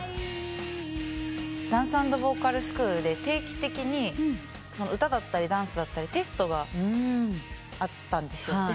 ダンス＆ボーカルスクールで定期的に歌だったりダンスだったりテストがあったんですよ。